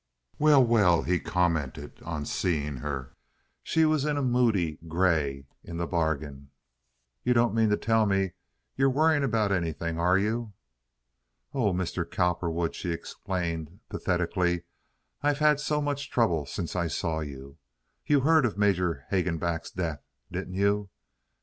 "Well, well," he commented, on seeing her—she was in moody gray in the bargain—"you don't mean to tell me you're worrying about anything, are you?" "Oh, Mr. Cowperwood," she explained, pathetically, "I have had so much trouble since I saw you. You heard of Major Hagenback's death, didn't you?"